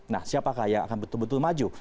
nah siapakah yang akan betul betul maju